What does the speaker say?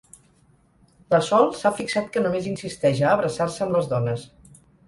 La Sol s'ha fixat que només insisteix a abraçar-se amb les dones.